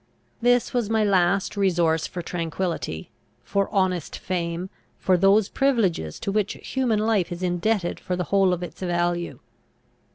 This was my last resource for tranquillity, for honest fame, for those privileges to which human life is indebted for the whole of its value.